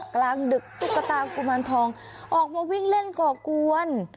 กลางดึกตุ๊กตากุมารทองออกมาวิ่งเล่นก่อกวน